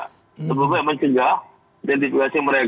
lebih baik mencegah identifikasi mereka